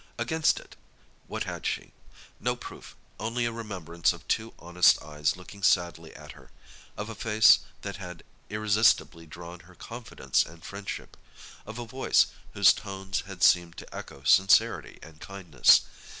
Against it, what had she? No proof; only a remembrance of two honest eyes looking sadly at her; of a face that had irresistibly drawn her confidence and friendship; of a voice whose tones had seemed to echo sincerity and kindness.